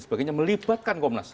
pemerintah tata tata